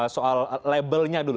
soal labelnya dulu